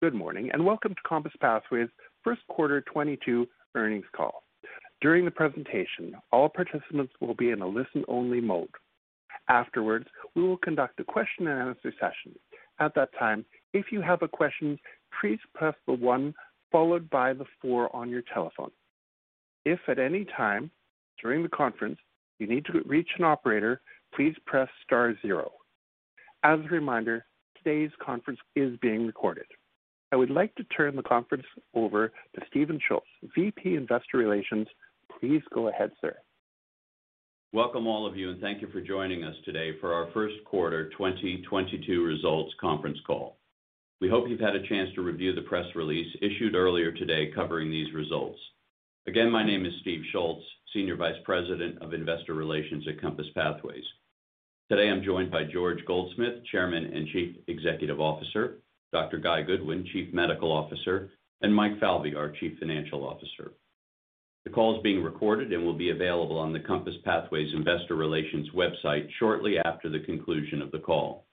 Good morning, and welcome to COMPASS Pathways first quarter 2022 earnings call. During the presentation, all participants will be in a listen only mode. Afterwards, we will conduct a question and answer session. At that time, if you have a question, please press the one followed by the four on your telephone. If at any time during the conference you need to reach an operator, please press star zero. As a reminder, today's conference is being recorded. I would like to turn the conference over to Stephen Schultz, VP Investor Relations. Please go ahead, sir. Welcome, all of you, and thank you for joining us today for our first quarter 2022 results conference call. We hope you've had a chance to review the press release issued earlier today covering these results. Again, my name is Steve Schultz, Senior Vice President of Investor Relations at COMPASS Pathways. Today I'm joined by George Goldsmith, Chairman and Chief Executive Officer, Dr. Guy Goodwin, Chief Medical Officer, and Michael Falvey, our Chief Financial Officer. The call is being recorded and will be available on the COMPASS Pathways Investor Relations website shortly after the conclusion of the call.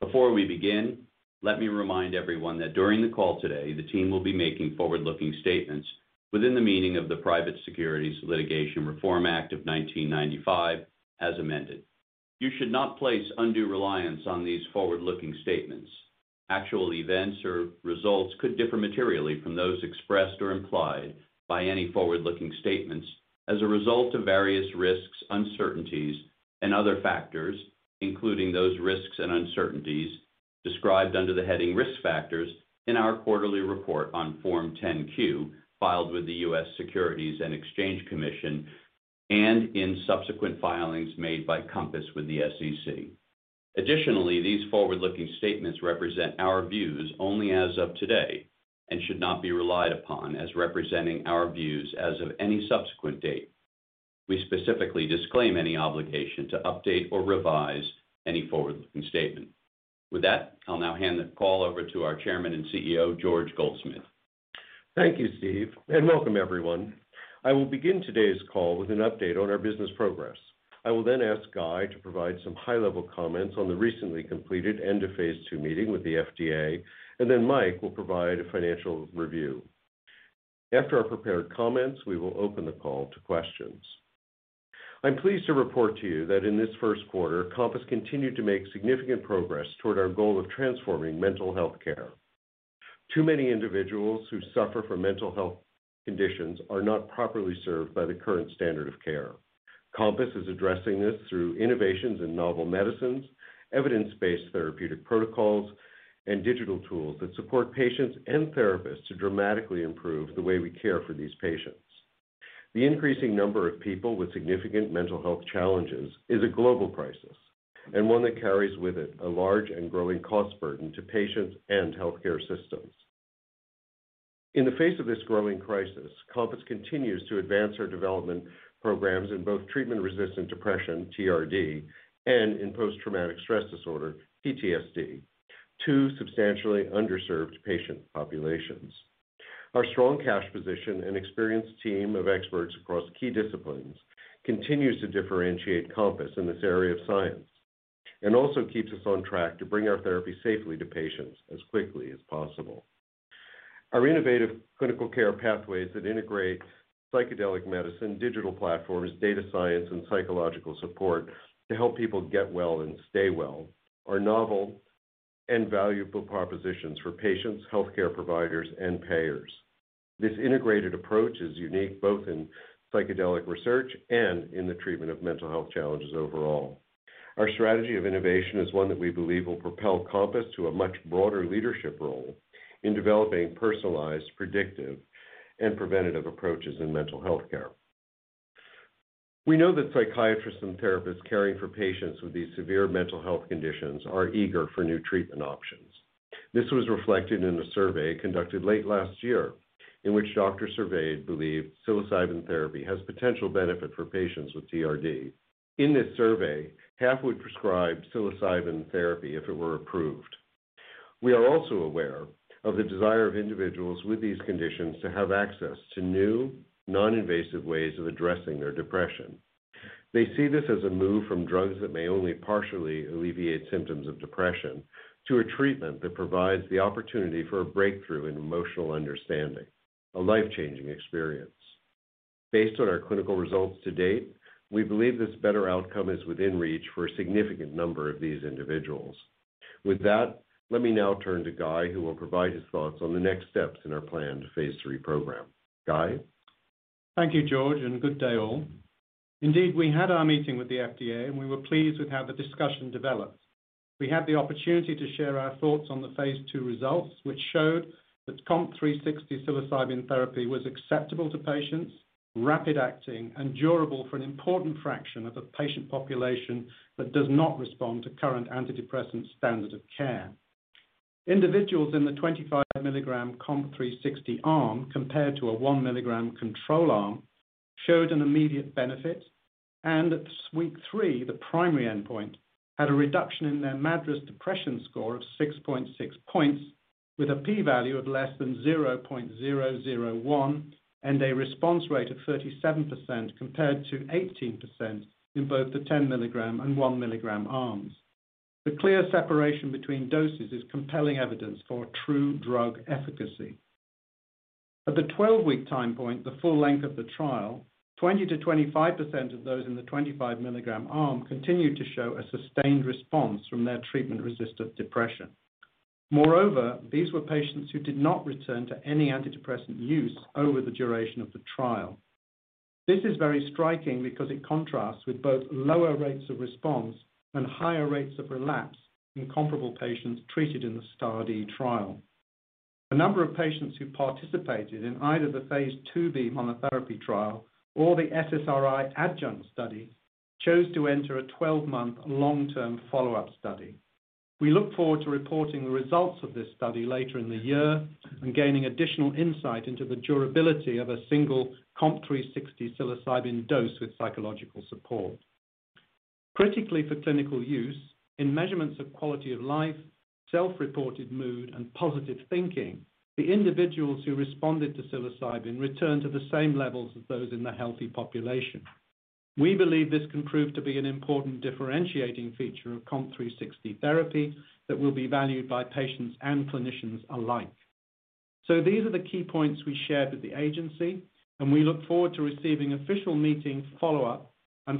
Before we begin, let me remind everyone that during the call today, the team will be making forward-looking statements within the meaning of the Private Securities Litigation Reform Act of 1995 as amended. You should not place undue reliance on these forward-looking statements. Actual events or results could differ materially from those expressed or implied by any forward-looking statements as a result of various risks, uncertainties, and other factors, including those risks and uncertainties described under the heading Risk Factors in our quarterly report on Form 10-Q, filed with the U.S. Securities and Exchange Commission and in subsequent filings made by COMPASS Pathways with the SEC. Additionally, these forward-looking statements represent our views only as of today and should not be relied upon as representing our views as of any subsequent date. We specifically disclaim any obligation to update or revise any forward-looking statement. With that, I'll now hand the call over to our Chairman and CEO, George Goldsmith. Thank you, Steve, and welcome everyone. I will begin today's call with an update on our business progress. I will then ask Guy to provide some high-level comments on the recently completed end of phase 2 meeting with the FDA, and then Mike will provide a financial review. After our prepared comments, we will open the call to questions. I'm pleased to report to you that in this first quarter, COMPASS continued to make significant progress toward our goal of transforming mental health care. Too many individuals who suffer from mental health conditions are not properly served by the current standard of care. COMPASS is addressing this through innovations in novel medicines, evidence-based therapeutic protocols, and digital tools that support patients and therapists to dramatically improve the way we care for these patients. The increasing number of people with significant mental health challenges is a global crisis, and one that carries with it a large and growing cost burden to patients and healthcare systems. In the face of this growing crisis, Compass continues to advance our development programs in both treatment-resistant depression, TRD, and in post-traumatic stress disorder, PTSD, two substantially underserved patient populations. Our strong cash position and experienced team of experts across key disciplines continues to differentiate Compass in this area of science and also keeps us on track to bring our therapy safely to patients as quickly as possible. Our innovative clinical care pathways that integrate psychedelic medicine, digital platforms, data science, and psychological support to help people get well and stay well are novel and valuable propositions for patients, healthcare providers, and payers. This integrated approach is unique both in psychedelic research and in the treatment of mental health challenges overall. Our strategy of innovation is one that we believe will propel Compass to a much broader leadership role in developing personalized, predictive, and preventative approaches in mental health care. We know that psychiatrists and therapists caring for patients with these severe mental health conditions are eager for new treatment options. This was reflected in a survey conducted late last year in which doctors surveyed believed psilocybin therapy has potential benefit for patients with TRD. In this survey, half would prescribe psilocybin therapy if it were approved. We are also aware of the desire of individuals with these conditions to have access to new, non-invasive ways of addressing their depression. They see this as a move from drugs that may only partially alleviate symptoms of depression to a treatment that provides the opportunity for a breakthrough in emotional understanding, a life-changing experience. Based on our clinical results to date, we believe this better outcome is within reach for a significant number of these individuals. With that, let me now turn to Guy, who will provide his thoughts on the next steps in our planned phase 3 program. Guy? Thank you, George, and good day all. Indeed, we had our meeting with the FDA and we were pleased with how the discussion developed. We had the opportunity to share our thoughts on the phase 2 results, which showed that COMP360 psilocybin therapy was acceptable to patients, rapid acting, and durable for an important fraction of the patient population that does not respond to current antidepressant standard of care. Individuals in the 25 milligram COMP360 arm, compared to a 1 milligram control arm, showed an immediate benefit. At week 3, the primary endpoint had a reduction in their MADRS depression score of 6.6 points with a P value of less than 0.001 and a response rate of 37% compared to 18% in both the 10 milligram and 1 milligram arms. The clear separation between doses is compelling evidence for true drug efficacy. At the 12-week time point, the full length of the trial, 20%-25% of those in the 25 mg arm continued to show a sustained response from their treatment-resistant depression. Moreover, these were patients who did not return to any antidepressant use over the duration of the trial. This is very striking because it contrasts with both lower rates of response and higher rates of relapse in comparable patients treated in the STAR*D trial. A number of patients who participated in either the phase 2b monotherapy trial or the SSRI adjunct study chose to enter a 12-month long-term follow-up study. We look forward to reporting the results of this study later in the year and gaining additional insight into the durability of a single COMP360 psilocybin dose with psychological support. Critically for clinical use, in measurements of quality of life, self-reported mood, and positive thinking, the individuals who responded to psilocybin returned to the same levels as those in the healthy population. We believe this can prove to be an important differentiating feature of COMP360 therapy that will be valued by patients and clinicians alike. These are the key points we shared with the agency, and we look forward to receiving official meeting follow-up and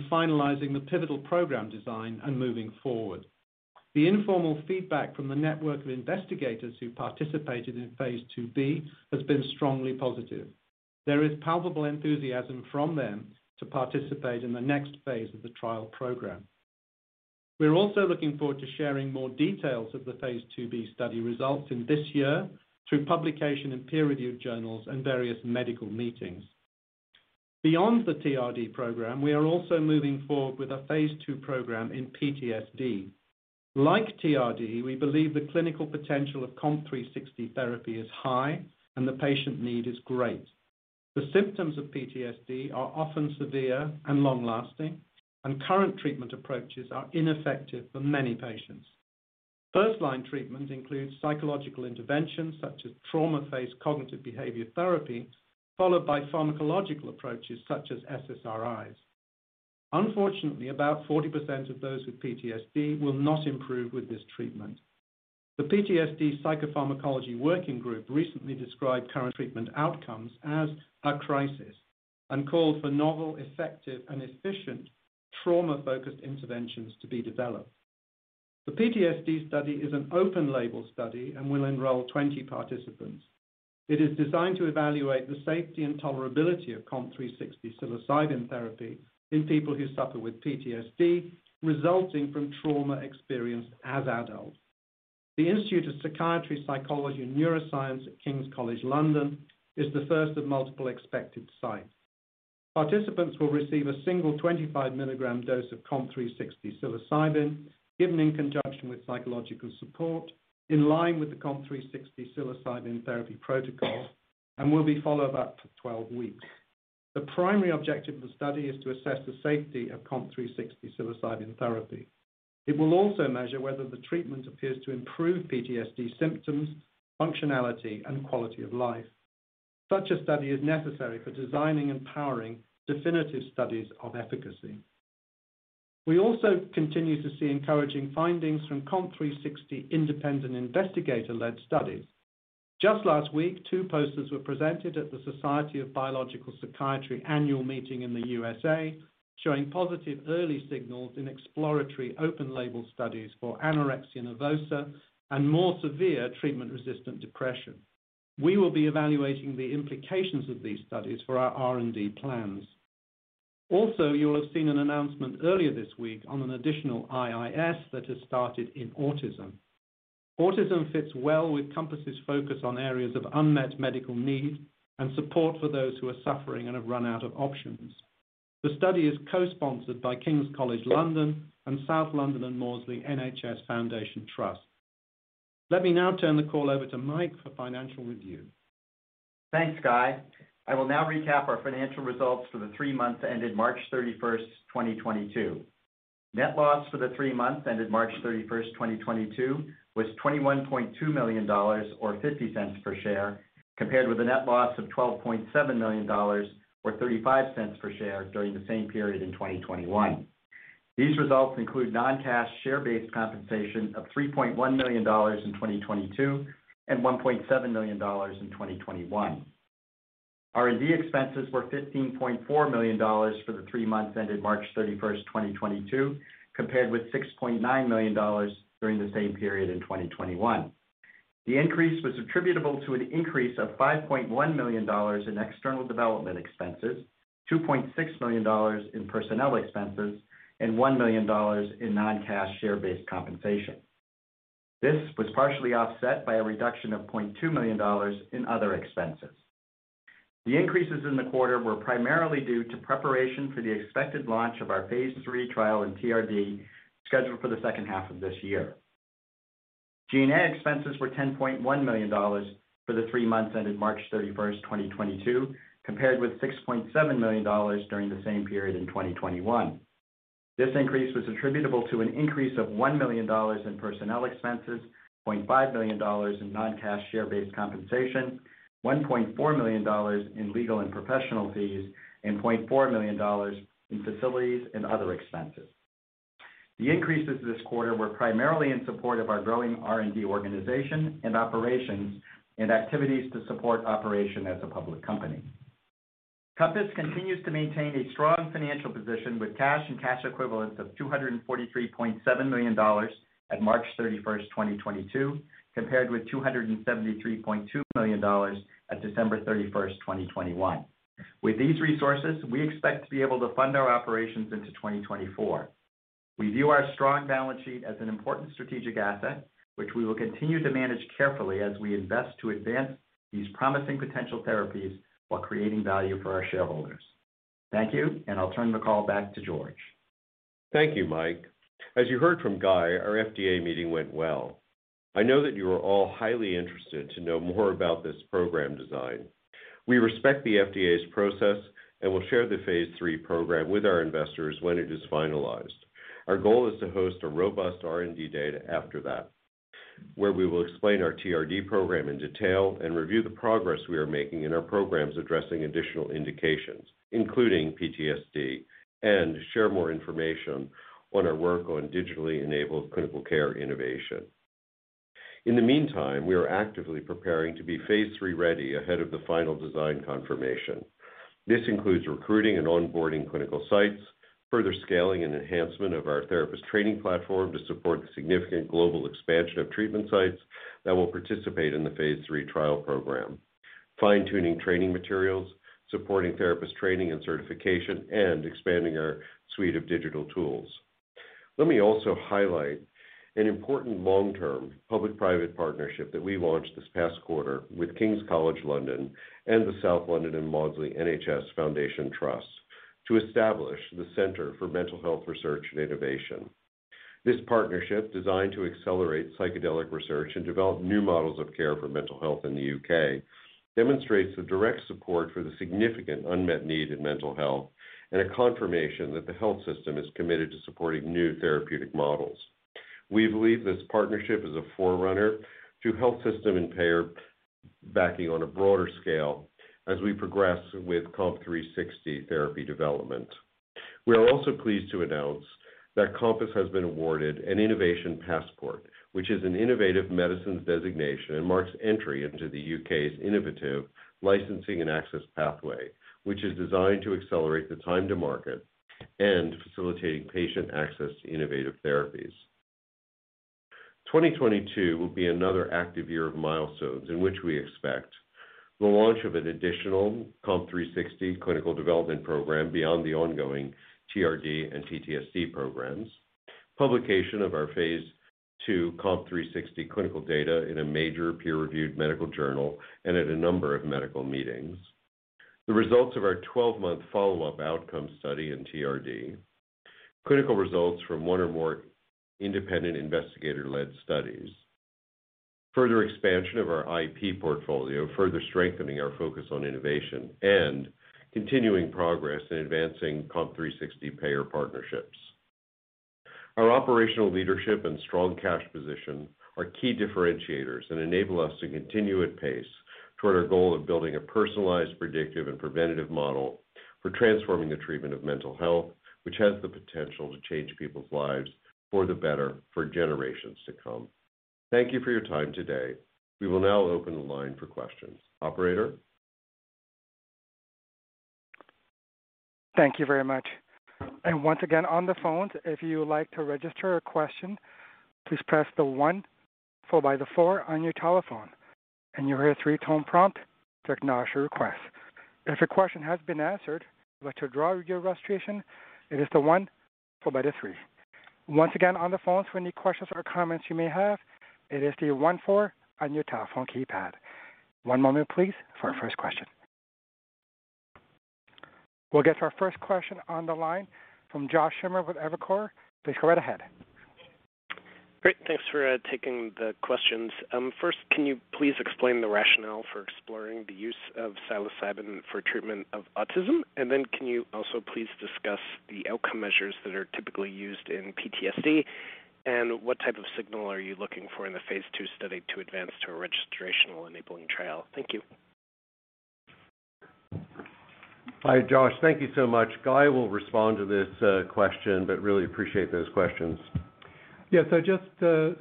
finalizing the pivotal program design and moving forward. The informal feedback from the network of investigators who participated in phase 2b has been strongly positive. There is palpable enthusiasm from them to participate in the next phase of the trial program. We're also looking forward to sharing more details of the phase 2b study results in this year through publication in peer-reviewed journals and various medical meetings. Beyond the TRD program, we are also moving forward with a phase 2 program in PTSD. Like TRD, we believe the clinical potential of COMP360 therapy is high and the patient need is great. The symptoms of PTSD are often severe and long-lasting, and current treatment approaches are ineffective for many patients. First-line treatment includes psychological interventions such as trauma-focused cognitive behavior therapy, followed by pharmacological approaches such as SSRIs. Unfortunately, about 40% of those with PTSD will not improve with this treatment. The PTSD Psychopharmacology Working Group recently described current treatment outcomes as a crisis and called for novel, effective, and efficient trauma-focused interventions to be developed. The PTSD study is an open label study and will enroll 20 participants. It is designed to evaluate the safety and tolerability of COMP360 psilocybin therapy in people who suffer with PTSD resulting from trauma experienced as adults. The Institute of Psychiatry, Psychology & Neuroscience at King's College London is the first of multiple expected sites. Participants will receive a single 25 mg dose of COMP360 psilocybin given in conjunction with psychological support in line with the COMP360 psilocybin therapy protocol and will be followed up for 12 weeks. The primary objective of the study is to assess the safety of COMP360 psilocybin therapy. It will also measure whether the treatment appears to improve PTSD symptoms, functionality, and quality of life. Such a study is necessary for designing and powering definitive studies of efficacy. We also continue to see encouraging findings from COMP360 independent investigator-led studies. Just last week, two posters were presented at the Society of Biological Psychiatry annual meeting in the USA showing positive early signals in exploratory open label studies for anorexia nervosa and more severe treatment-resistant depression. We will be evaluating the implications of these studies for our R&D plans. Also, you'll have seen an announcement earlier this week on an additional IIS that has started in autism. Autism fits well with Compass' focus on areas of unmet medical need and support for those who are suffering and have run out of options. The study is co-sponsored by King's College London and South London and Maudsley NHS Foundation Trust. Let me now turn the call over to Mike for financial review. Thanks, Guy. I will now recap our financial results for the three months ended March 31, 2022. Net loss for the three months ended March 31, 2022 was $21.2 million or $0.50 per share, compared with a net loss of $12.7 million or $0.35 per share during the same period in 2021. These results include non-cash share-based compensation of $3.1 million in 2022 and $1.7 million in 2021. R&D expenses were $15.4 million for the three months ended March 31, 2022, compared with $6.9 million during the same period in 2021. The increase was attributable to an increase of $5.1 million in external development expenses, $2.6 million in personnel expenses, and $1 million in non-cash share-based compensation. This was partially offset by a reduction of $0.2 million in other expenses. The increases in the quarter were primarily due to preparation for the expected launch of our phase three trial in TRD scheduled for the second half of this year. G&A expenses were $10.1 million for the three months ended March 31, 2022, compared with $6.7 million during the same period in 2021. This increase was attributable to an increase of $1 million in personnel expenses, $0.5 million in non-cash share-based compensation, $1.4 million in legal and professional fees, and $0.4 million in facilities and other expenses. The increases this quarter were primarily in support of our growing R&D organization and operations and activities to support operation as a public company. Compass continues to maintain a strong financial position with cash and cash equivalents of $243.7 million at March 31, 2022, compared with $273.2 million at December 31, 2021. With these resources, we expect to be able to fund our operations into 2024. We view our strong balance sheet as an important strategic asset, which we will continue to manage carefully as we invest to advance these promising potential therapies while creating value for our shareholders. Thank you, and I'll turn the call back to George. Thank you, Mike. As you heard from Guy, our FDA meeting went well. I know that you are all highly interested to know more about this program design. We respect the FDA's process and will share the phase 3 program with our investors when it is finalized. Our goal is to host a robust R&D Day after that, where we will explain our TRD program in detail and review the progress we are making in our programs addressing additional indications, including PTSD, and share more information on our work on digitally enabled clinical care innovation. In the meantime, we are actively preparing to be phase three ready ahead of the final design confirmation. This includes recruiting and onboarding clinical sites, further scaling and enhancement of our therapist training platform to support the significant global expansion of treatment sites that will participate in the phase 3 trial program. Fine-tuning training materials, supporting therapist training and certification, and expanding our suite of digital tools. Let me also highlight an important long-term public-private partnership that we launched this past quarter with King's College London and the South London and Maudsley NHS Foundation Trust to establish the Centre for Mental Health Research and Innovation. This partnership, designed to accelerate psychedelic research and develop new models of care for mental health in the U.K., demonstrates the direct support for the significant unmet need in mental health and a confirmation that the health system is committed to supporting new therapeutic models. We believe this partnership is a forerunner to health system and payer backing on a broader scale as we progress with COMP360 therapy development. We are also pleased to announce that COMPASS Pathways has been awarded an Innovation Passport, which is an innovative medicines designation and marks entry into the U.K.'s Innovative Licensing and Access Pathway, which is designed to accelerate the time to market and facilitating patient access to innovative therapies. 2022 will be another active year of milestones in which we expect the launch of an additional COMP360 clinical development program beyond the ongoing TRD and PTSD programs. Publication of our phase 2 COMP360 clinical data in a major peer-reviewed medical journal and at a number of medical meetings. The results of our 12-month follow-up outcome study in TRD. Clinical results from one or more independent investigator-led studies. Further expansion of our IP portfolio, further strengthening our focus on innovation and continuing progress in advancing COMP360 payer partnerships. Our operational leadership and strong cash position are key differentiators and enable us to continue at pace toward our goal of building a personalized, predictive, and preventative model for transforming the treatment of mental health, which has the potential to change people's lives for the better for generations to come. Thank you for your time today. We will now open the line for questions. Operator? Thank you very much. Once again, on the phones, if you would like to register a question, please press the one followed by the four on your telephone, and you'll hear a three-tone prompt to acknowledge your request. If your question has been answered, like to withdraw your registration, it is the one followed by the three. Once again, on the phones, for any questions or comments you may have, it is the one, four on your telephone keypad. One moment, please, for our first question. We'll get to our first question on the line from Josh Schimmer with Evercore. Please go right ahead. Great. Thanks for taking the questions. First, can you please explain the rationale for exploring the use of psilocybin for treatment of autism? Can you also please discuss the outcome measures that are typically used in PTSD, and what type of signal are you looking for in the phase 2 study to advance to a registrational enabling trial? Thank you. Hi, Josh. Thank you so much. Guy will respond to this question, but really appreciate those questions. Yeah. Just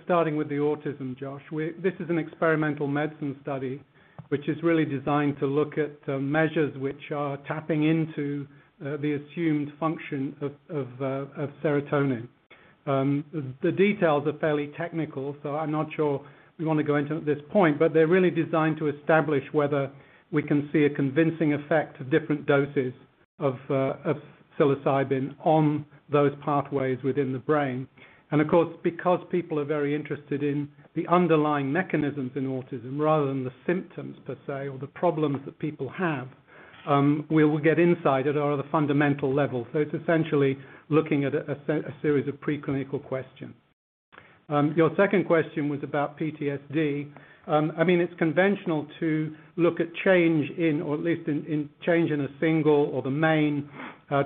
starting with the autism, Josh. This is an experimental medicine study, which is really designed to look at measures which are tapping into the assumed function of serotonin. The details are fairly technical, so I'm not sure we want to go into it at this point, but they're really designed to establish whether we can see a convincing effect of different doses of psilocybin on those pathways within the brain. Of course, because people are very interested in the underlying mechanisms in autism rather than the symptoms per se or the problems that people have, we will get insight at a fundamental level. It's essentially looking at a series of preclinical questions. Your second question was about PTSD. I mean, it's conventional to look at change in at least a single or the main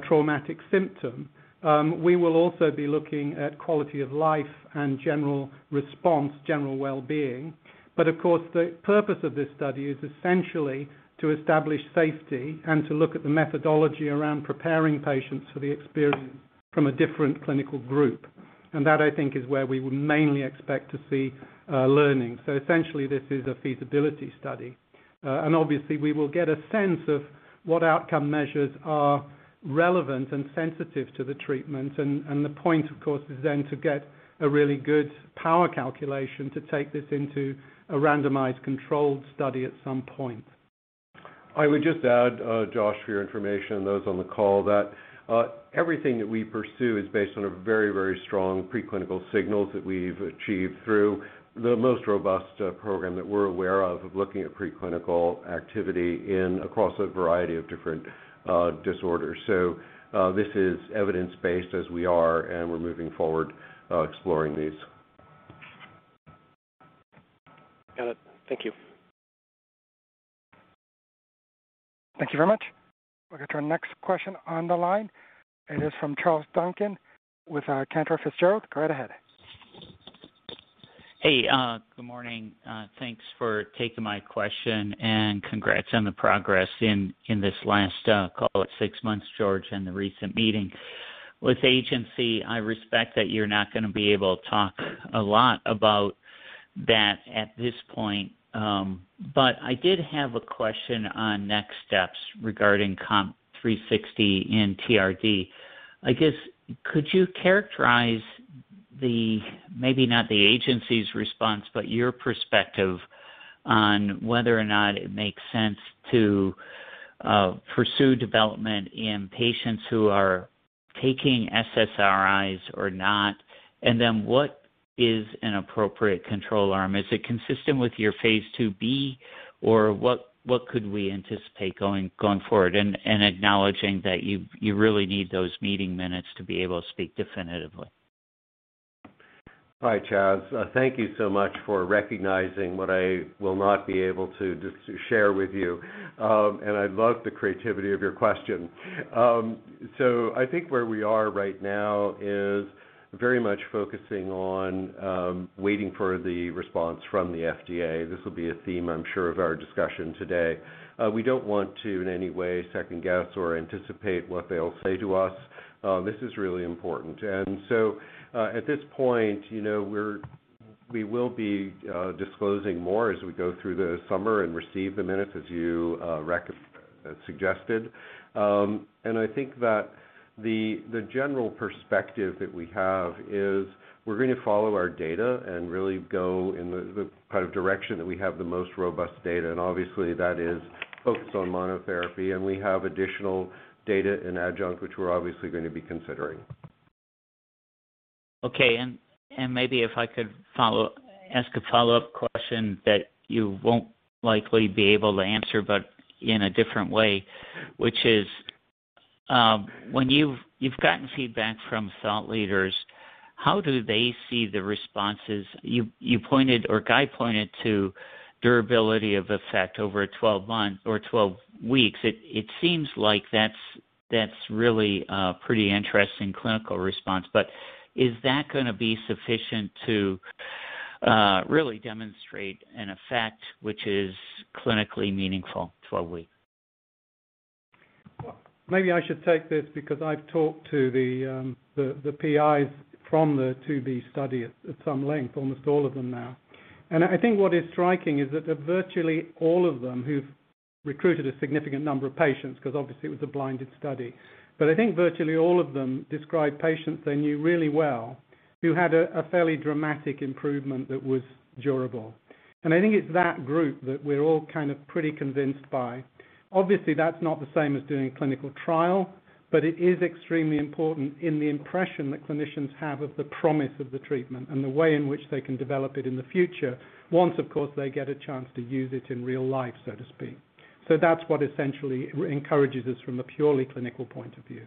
traumatic symptom. We will also be looking at quality of life and general response, general wellbeing. Of course, the purpose of this study is essentially to establish safety and to look at the methodology around preparing patients for the experience from a different clinical group. That I think is where we would mainly expect to see learning. Essentially this is a feasibility study. Obviously we will get a sense of what outcome measures are relevant and sensitive to the treatment. The point, of course, is then to get a really good power calculation to take this into a randomized controlled study at some point. I would just add, Josh, for your information, those on the call, that everything that we pursue is based on a very, very strong preclinical signals that we've achieved through the most robust program that we're aware of looking at preclinical activity in across a variety of different disorders. This is evidence-based as we are, and we're moving forward exploring these. Got it. Thank you. Thank you very much. We'll get to our next question on the line. It is from Charles Duncan with Cantor Fitzgerald. Go right ahead. Hey, good morning. Thanks for taking my question, and congrats on the progress in this last call at six months, George, and the recent meeting with agency. I respect that you're not gonna be able to talk a lot about that at this point. But I did have a question on next steps regarding COMP360 and TRD. I guess, could you characterize the, maybe not the agency's response, but your perspective on whether or not it makes sense to pursue development in patients who are taking SSRIs or not? And then what is an appropriate control arm? Is it consistent with your phase 2b, or what could we anticipate going forward and acknowledging that you really need those meeting minutes to be able to speak definitively? Hi, Charles. Thank you so much for recognizing what I will not be able to just share with you. I love the creativity of your question. I think where we are right now is very much focusing on waiting for the response from the FDA. This will be a theme, I'm sure, of our discussion today. We don't want to, in any way, second-guess or anticipate what they'll say to us. This is really important. At this point, you know, we will be disclosing more as we go through the summer and receive the minutes as you suggested. I think that the general perspective that we have is we're gonna follow our data and really go in the kind of direction that we have the most robust data, and obviously that is focused on monotherapy, and we have additional data in adjunct, which we're obviously gonna be considering. Okay. Maybe if I could ask a follow-up question that you won't likely be able to answer, but in a different way, which is, when you've gotten feedback from thought leaders, how do they see the responses? You pointed or Guy pointed to durability of effect over 12-month or 12 weeks. It seems like that's really a pretty interesting clinical response. Is that gonna be sufficient to really demonstrate an effect which is clinically meaningful 12 week? Well, maybe I should take this because I've talked to the PI's from the 2b study at some length, almost all of them now. I think what is striking is that virtually all of them who've recruited a significant number of patients, 'cause obviously it was a blinded study. I think virtually all of them described patients they knew really well who had a fairly dramatic improvement that was durable. I think it's that group that we're all kind of pretty convinced by. Obviously, that's not the same as doing a clinical trial, but it is extremely important in the impression that clinicians have of the promise of the treatment and the way in which they can develop it in the future. Once, of course, they get a chance to use it in real life, so to speak. That's what essentially encourages us from a purely clinical point of view.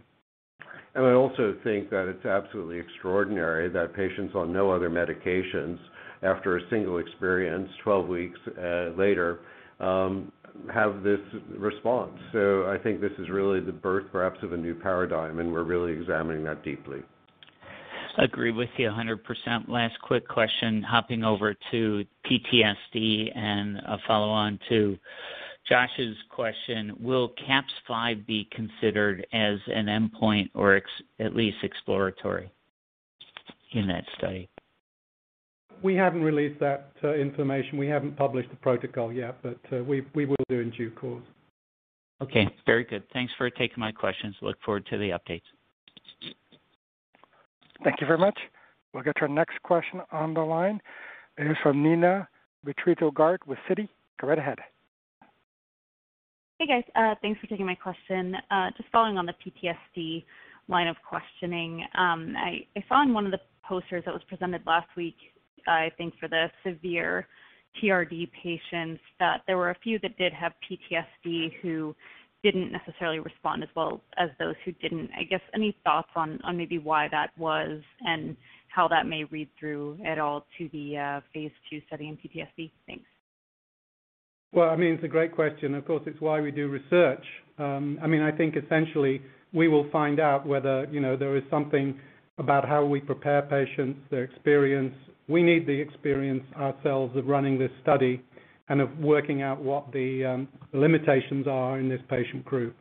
I also think that it's absolutely extraordinary that patients on no other medications, after a single experience, 12 weeks later, have this response. I think this is really the birth, perhaps, of a new paradigm, and we're really examining that deeply. Agree with you 100%. Last quick question, hopping over to PTSD and a follow-on to Josh's question. Will CAPS-5 be considered as an endpoint or at least exploratory in that study? We haven't released that information. We haven't published the protocol yet, but we will do in due course. Okay. Very good. Thanks for taking my questions. Look forward to the updates. Thank you very much. We'll get to our next question on the line. It is from Neena Bitritto-Garg with Citi. Go right ahead. Hey, guys. Thanks for taking my question. Just following on the PTSD line of questioning. I saw in one of the posters that was presented last week, I think for the severe TRD patients, that there were a few that did have PTSD who didn't necessarily respond as well as those who didn't. I guess, any thoughts on maybe why that was and how that may read through at all to the phase 2 study in PTSD? Thanks. Well, I mean, it's a great question. Of course, it's why we do research. I mean, I think essentially we will find out whether, you know, there is something about how we prepare patients, their experience. We need the experience ourselves of running this study and of working out what the limitations are in this patient group.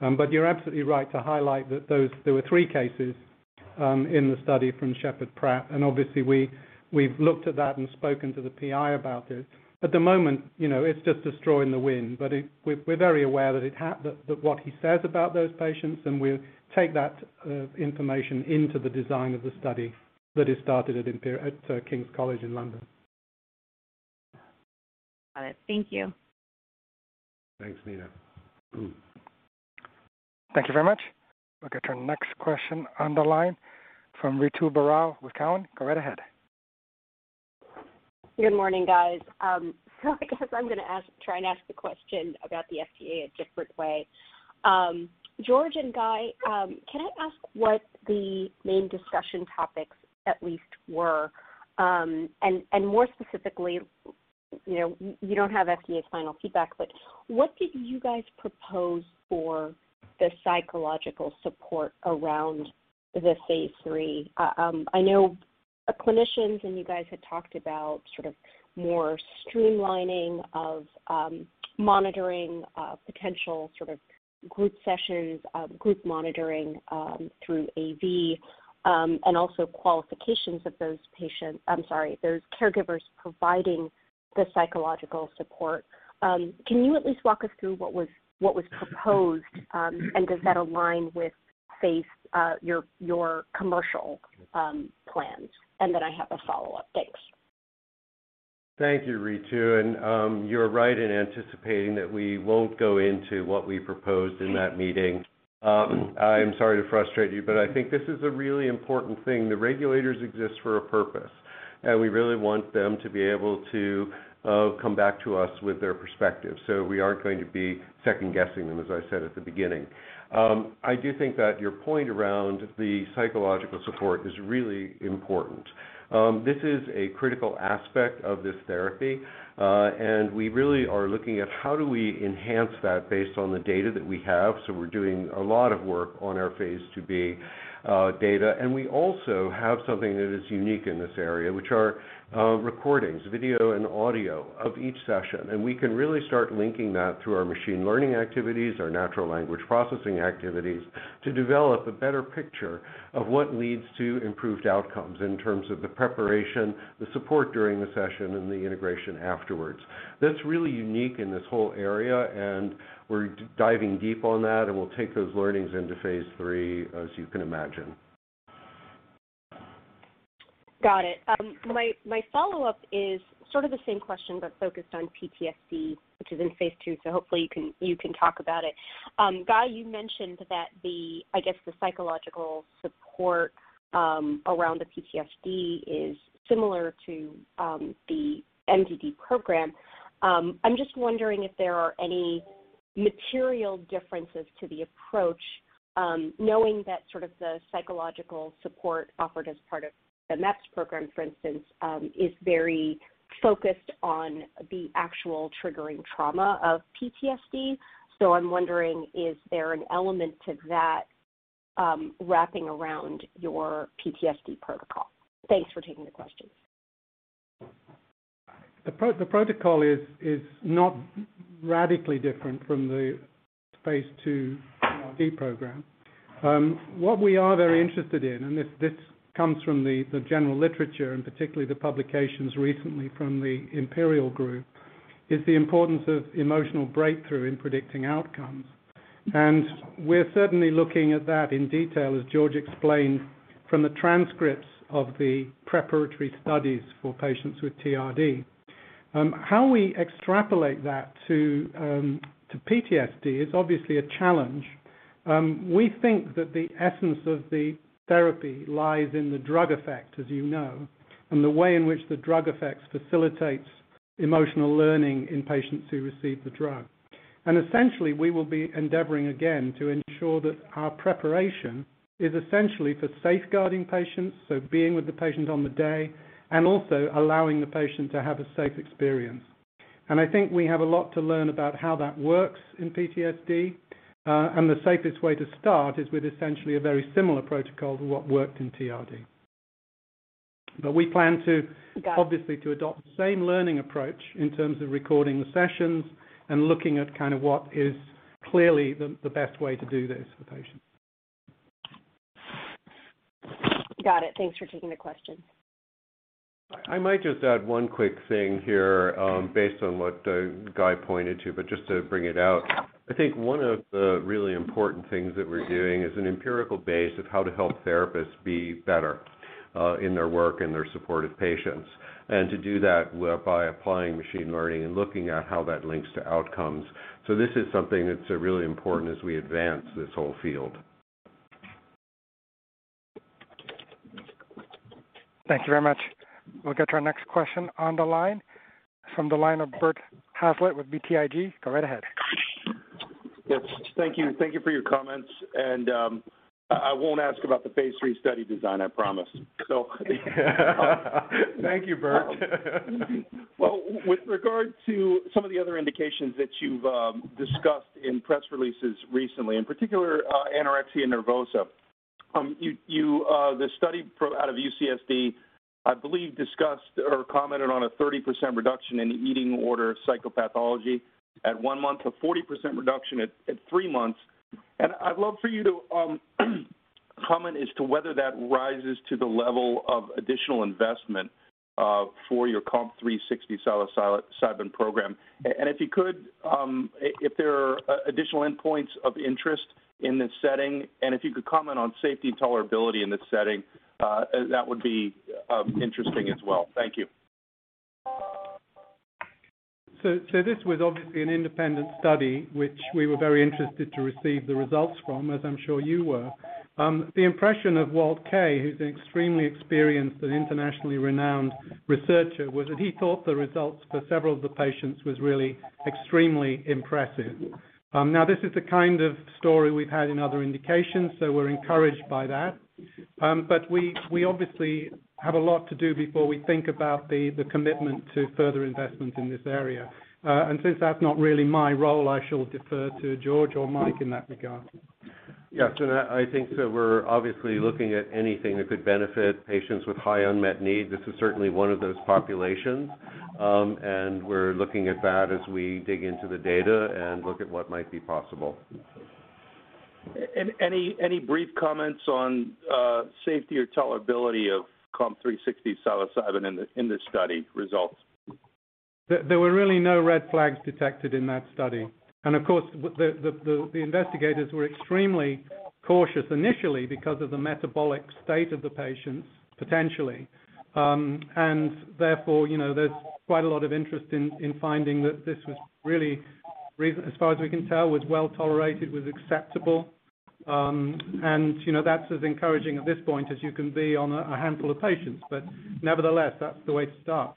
You're absolutely right to highlight that there were three cases in the study from Sheppard Pratt, and obviously we've looked at that and spoken to the PI about this. At the moment, you know, it's just a straw in the wind. We're very aware that what he says about those patients, and we'll take that information into the design of the study that is started at King's College London. Got it. Thank you. Thanks, Neena. Boo. Thank you very much. We'll get to our next question on the line from Ritu Baral with Cowen. Go right ahead. Good morning, guys. I guess I'm gonna try and ask the question about the FDA a different way. George and Guy, can I ask what the main discussion topics at least were? And more specifically, you know, you don't have FDA's final feedback, but what did you guys propose for the psychological support around the phase 3? I know clinicians and you guys had talked about sort of more streamlining of monitoring, potential sort of group sessions, group monitoring through AV, and also qualifications of those patients. I'm sorry, those caregivers providing the psychological support. Can you at least walk us through what was proposed, and does that align with phase, your commercial plans? I have a follow-up. Thanks. Thank you, Ritu, and you're right in anticipating that we won't go into what we proposed in that meeting. I am sorry to frustrate you, but I think this is a really important thing. The regulators exist for a purpose, and we really want them to be able to come back to us with their perspective. We aren't going to be second-guessing them, as I said at the beginning. I do think that your point around the psychological support is really important. This is a critical aspect of this therapy, and we really are looking at how do we enhance that based on the data that we have. We're doing a lot of work on our phase 2b data. We also have something that is unique in this area, which are recordings, video and audio of each session. We can really start linking that through our machine learning activities, our natural language processing activities, to develop a better picture of what leads to improved outcomes in terms of the preparation, the support during the session, and the integration afterwards. That's really unique in this whole area, and we're diving deep on that, and we'll take those learnings into phase 3, as you can imagine. Got it. My follow-up is sort of the same question, but focused on PTSD, which is in phase 2, so hopefully you can talk about it. Guy, you mentioned that, I guess, the psychological support around the PTSD is similar to the MDD program. I'm just wondering if there are any material differences to the approach, knowing that sort of the psychological support offered as part of the MAPS program, for instance, is very focused on the actual triggering trauma of PTSD. I'm wondering, is there an element to that wrapping around your PTSD protocol? Thanks for taking the questions. The protocol is not radically different from the phase 2 TRD program. What we are very interested in, and this comes from the general literature, and particularly the publications recently from the Imperial group, is the importance of emotional breakthrough in predicting outcomes. We're certainly looking at that in detail, as George explained from the transcripts of the preparatory studies for patients with TRD. How we extrapolate that to PTSD is obviously a challenge. We think that the essence of the therapy lies in the drug effect, as you know, and the way in which the drug effects facilitates emotional learning in patients who receive the drug. Essentially, we will be endeavoring again to ensure that our preparation is essentially for safeguarding patients, so being with the patient on the day, and also allowing the patient to have a safe experience. I think we have a lot to learn about how that works in PTSD. The safest way to start is with essentially a very similar protocol to what worked in TRD. We plan to- Got it. Obviously to adopt the same learning approach in terms of recording the sessions and looking at kind of what is clearly the best way to do this for patients. Got it. Thanks for taking the question. I might just add one quick thing here, based on what, Guy pointed to, but just to bring it out. I think one of the really important things that we're doing is an empirical base of how to help therapists be better, in their work and their support of patients, and to do that by applying machine learning and looking at how that links to outcomes. This is something that's, really important as we advance this whole field. Thank you very much. We'll get to our next question on the line from Bert Hazlett with BTIG. Go right ahead. Yes. Thank you. Thank you for your comments. I won't ask about the phase 3 study design, I promise. So Thank you, Bert. Well, with regard to some of the other indications that you've discussed in press releases recently, in particular, anorexia nervosa. The study out of UCSD, I believe, discussed or commented on a 30% reduction in eating disorder psychopathology at 1 month, a 40% reduction at 3 months. I'd love for you to comment as to whether that rises to the level of additional investment for your COMP360 psilocybin program. If you could, if there are additional endpoints of interest in this setting, and if you could comment on safety and tolerability in this setting, that would be interesting as well. Thank you. This was obviously an independent study, which we were very interested to receive the results from, as I'm sure you were. The impression of Walter Kaye, who's an extremely experienced and internationally renowned researcher, was that he thought the results for several of the patients was really extremely impressive. Now, this is the kind of story we've had in other indications, so we're encouraged by that. We obviously have a lot to do before we think about the commitment to further investment in this area. Since that's not really my role, I shall defer to George or Mike in that regard. I think that we're obviously looking at anything that could benefit patients with high unmet need. This is certainly one of those populations. We're looking at that as we dig into the data and look at what might be possible. Any brief comments on safety or tolerability of COMP360 psilocybin in the study results? There were really no red flags detected in that study. Of course, the investigators were extremely cautious initially because of the metabolic state of the patients, potentially. Therefore, you know, there's quite a lot of interest in finding that this was, as far as we can tell, well tolerated, acceptable. You know, that's as encouraging at this point as you can be on a handful of patients. Nevertheless, that's the way to start.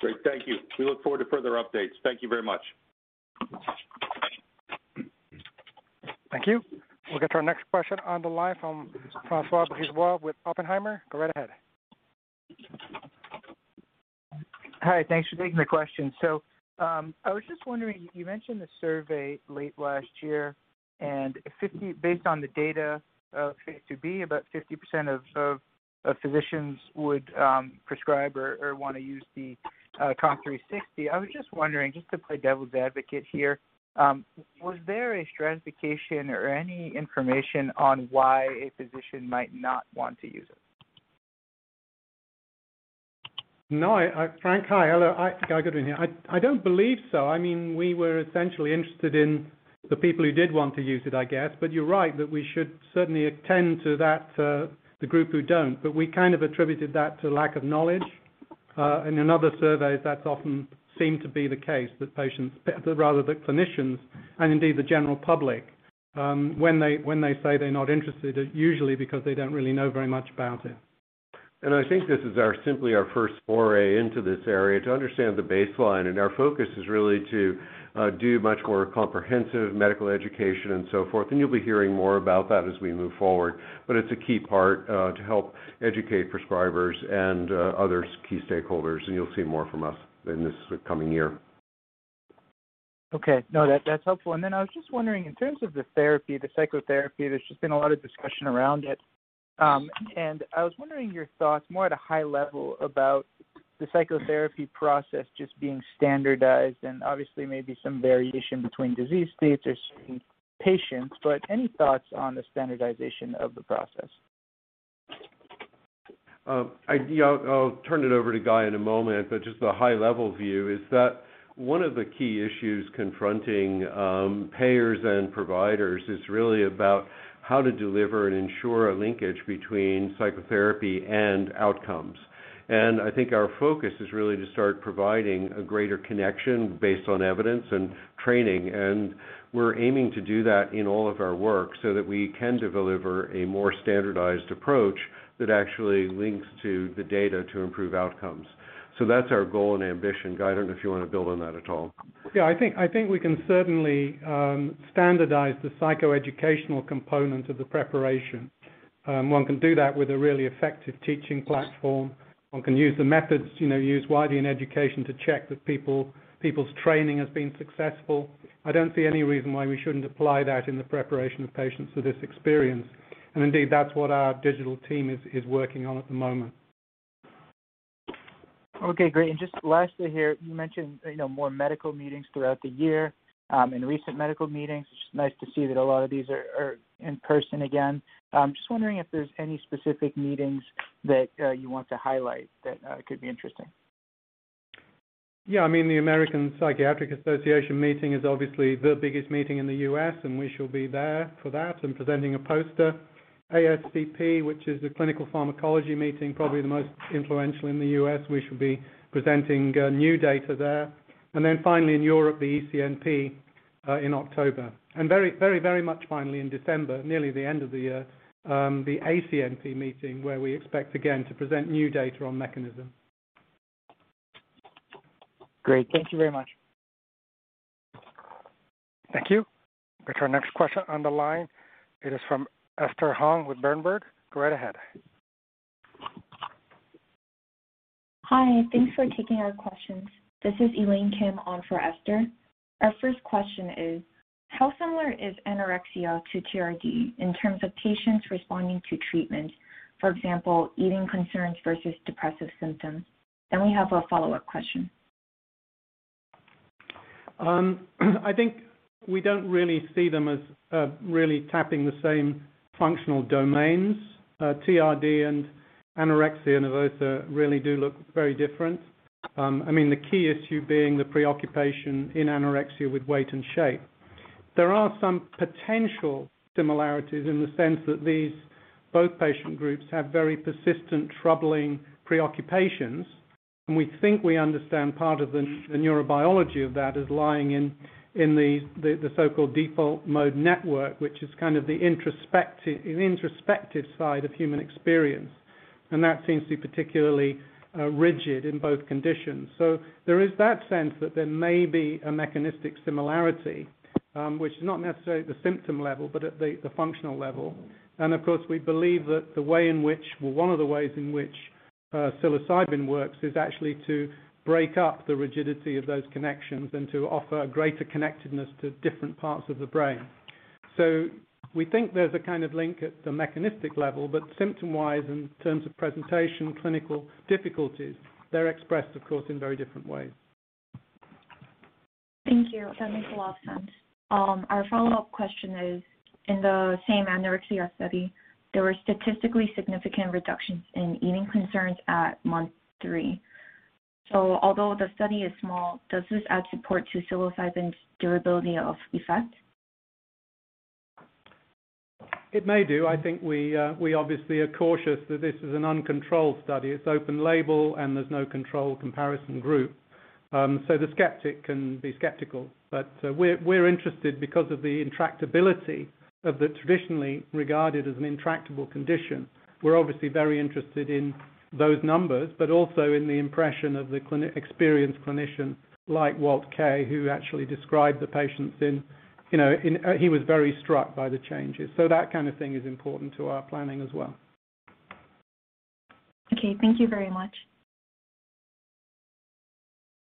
Great. Thank you. We look forward to further updates. Thank you very much. Thank you. We'll get to our next question on the line from François Brisebois with Oppenheimer. Go right ahead. Hi. Thanks for taking the question. I was just wondering, you mentioned the survey late last year, and based on the data of phase 2b, about 50% of physicians would prescribe or wanna use the COMP360. I was just wondering, just to play devil's advocate here, was there a stratification or any information on why a physician might not want to use it? No. François, hi. Hello. Guy Goodwin here. I don't believe so. I mean, we were essentially interested in the people who did want to use it, I guess. But you're right, that we should certainly attend to that, the group who don't. But we kind of attributed that to lack of knowledge. And in other surveys, that's often seemed to be the case, that patients, rather the clinicians and indeed the general public, when they say they're not interested, it usually because they don't really know very much about it. I think this is simply our first foray into this area to understand the baseline. Our focus is really to do much more comprehensive medical education and so forth. You'll be hearing more about that as we move forward. It's a key part to help educate prescribers and other key stakeholders, and you'll see more from us in this coming year. Okay. No, that's helpful. I was just wondering, in terms of the therapy, the psychotherapy, there's just been a lot of discussion around it. I was wondering your thoughts more at a high level about the psychotherapy process just being standardized and obviously maybe some variation between disease states or certain patients, but any thoughts on the standardization of the process? Yeah, I'll turn it over to Guy in a moment, but just the high level view is that one of the key issues confronting payers and providers is really about how to deliver and ensure a linkage between psychotherapy and outcomes. I think our focus is really to start providing a greater connection based on evidence and training. We're aiming to do that in all of our work so that we can deliver a more standardized approach that actually links to the data to improve outcomes. That's our goal and ambition. Guy, I don't know if you wanna build on that at all. Yeah. I think we can certainly standardize the psychoeducational component of the preparation. One can do that with a really effective teaching platform. One can use the methods, you know, used widely in education to check that people's training has been successful. I don't see any reason why we shouldn't apply that in the preparation of patients for this experience. Indeed, that's what our digital team is working on at the moment. Okay, great. Just lastly here, you mentioned, you know, more medical meetings throughout the year. In recent medical meetings, it's just nice to see that a lot of these are in person again. Just wondering if there's any specific meetings that you want to highlight that could be interesting? Yeah. I mean, the American Psychiatric Association meeting is obviously the biggest meeting in the U.S., and we shall be there for that and presenting a poster. ASCP, which is the clinical pharmacology meeting, probably the most influential in the U.S., we should be presenting new data there. Finally in Europe, the ECNP in October. Very much finally in December, nearly the end of the year, the ACNP meeting, where we expect again to present new data on mechanism. Great. Thank you very much. Thank you. Go to our next question on the line. It is from Esther Hong with Berenberg. Go right ahead. Hi. Thanks for taking our questions. This is Elaine Kim on for Esther. Our first question is how similar is anorexia to TRD in terms of patients responding to treatment? For example, eating concerns versus depressive symptoms. Then we have a follow-up question. I think we don't really see them as really tapping the same functional domains. TRD and anorexia nervosa really do look very different. I mean, the key issue being the preoccupation in anorexia with weight and shape. There are some potential similarities in the sense that these both patient groups have very persistent, troubling preoccupations. We think we understand part of the so-called default mode network, which is kind of the introspective side of human experience. That seems to be particularly rigid in both conditions. There is that sense that there may be a mechanistic similarity, which is not necessarily at the symptom level but at the functional level. Of course, we believe that the way in which or one of the ways in which psilocybin works is actually to break up the rigidity of those connections and to offer greater connectedness to different parts of the brain. We think there's a kind of link at the mechanistic level, but symptom-wise, in terms of presentation, clinical difficulties, they're expressed, of course, in very different ways. Thank you. That makes a lot of sense. Our follow-up question is, in the same anorexia study, there were statistically significant reductions in eating concerns at month three. Although the study is small, does this add support to psilocybin's durability of effect? It may do. I think we obviously are cautious that this is an uncontrolled study. It's open label, and there's no control comparison group. The skeptic can be skeptical. We're interested because of the intractability of the traditionally regarded as an intractable condition. We're obviously very interested in those numbers, but also in the impression of the experienced clinicians like Walter Kaye, who actually described the patients in, you know, in. He was very struck by the changes. That kind of thing is important to our planning as well. Okay. Thank you very much.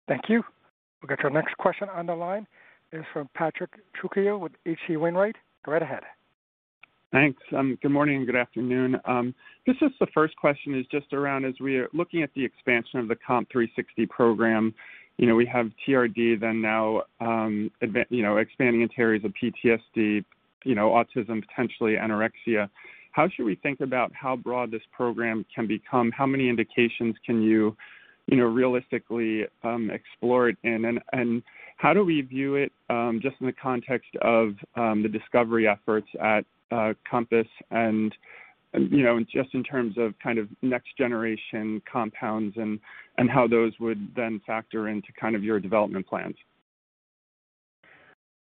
Thank you. We'll get your next question on the line. It's from Patrick Trucchio with H.C. Wainwright. Go right ahead. Thanks. Good morning and good afternoon. This is the first question, is just around as we are looking at the expansion of the COMP360 program. You know, we have TRD and now, you know, expanding into areas of PTSD, you know, autism, potentially anorexia. How should we think about how broad this program can become? How many indications can you know, realistically, explore it in? And how do we view it, just in the context of, the discovery efforts at, COMPASS and, you know, just in terms of kind of next generation compounds and, how those would then factor into kind of your development plans?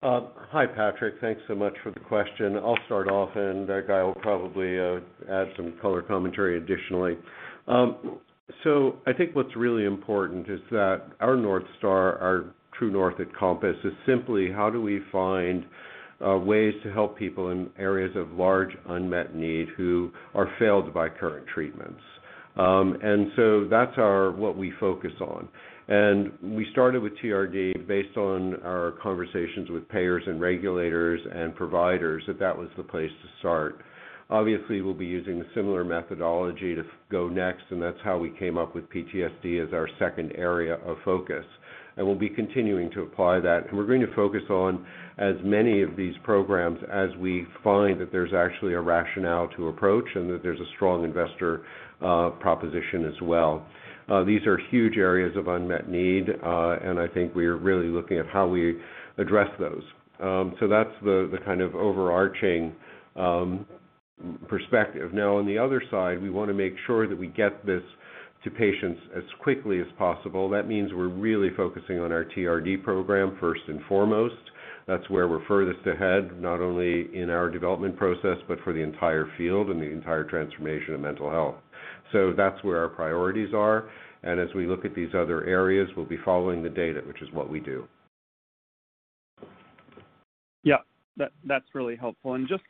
Hi, Patrick. Thanks so much for the question. I'll start off, and Guy will probably add some color commentary additionally. I think what's really important is that our North Star, our true north at COMPASS, is simply how do we find ways to help people in areas of large unmet need who are failed by current treatments. That's our what we focus on. We started with TRD based on our conversations with payers and regulators and providers, that was the place to start. Obviously, we'll be using a similar methodology to go next, and that's how we came up with PTSD as our second area of focus. We'll be continuing to apply that, and we're going to focus on as many of these programs as we find that there's actually a rationale to approach and that there's a strong investor proposition as well. These are huge areas of unmet need, and I think we are really looking at how we address those. That's the kind of overarching perspective. Now, on the other side, we wanna make sure that we get this to patients as quickly as possible. That means we're really focusing on our TRD program first and foremost. That's where we're furthest ahead, not only in our development process but for the entire field and the entire transformation of mental health. That's where our priorities are. As we look at these other areas, we'll be following the data, which is what we do. Yeah. That's really helpful. Just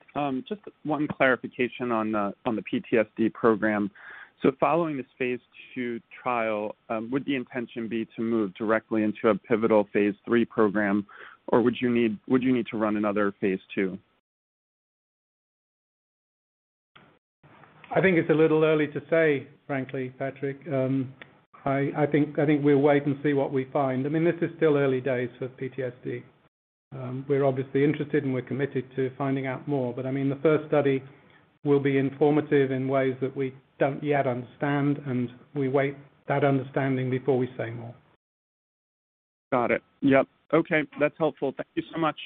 one clarification on the PTSD program. Following this phase two trial, would the intention be to move directly into a pivotal phase three program, or would you need to run another phase two? I think it's a little early to say, frankly, Patrick. I think we'll wait and see what we find. I mean, this is still early days for PTSD. We're obviously interested, and we're committed to finding out more. I mean, the first study will be informative in ways that we don't yet understand, and we wait that understanding before we say more. Got it. Yep. Okay. That's helpful. Thank you so much.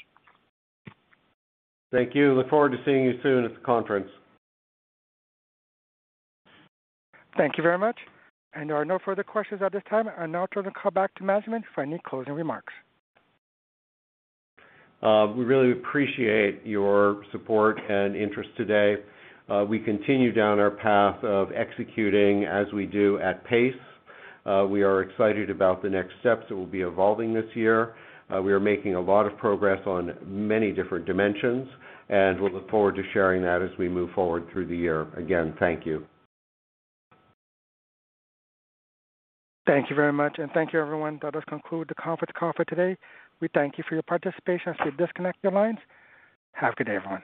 Thank you. Look forward to seeing you soon at the conference. Thank you very much. There are no further questions at this time. I now turn the call back to management for any closing remarks. We really appreciate your support and interest today. We continue down our path of executing as we do at pace. We are excited about the next steps that will be evolving this year. We are making a lot of progress on many different dimensions, and we'll look forward to sharing that as we move forward through the year. Again, thank you. Thank you very much. Thank you, everyone. That does conclude the conference call for today. We thank you for your participation. As we disconnect your lines, have a good day, everyone.